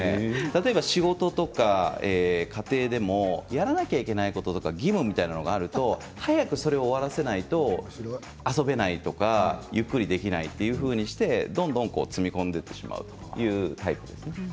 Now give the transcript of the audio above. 例えば、仕事とか家庭でもやらなければいけないこととか義務みたいなものがあると早くそれを終わらせないと遊べないとかゆっくりできないというふうにしてどんどん詰め込んでいってしまうというタイプです。